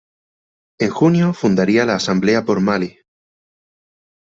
En junio fundaría la Asamblea por Malí.